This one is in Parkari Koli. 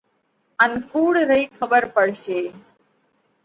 ان ڪُوڙ رئي کٻر پڙشي۔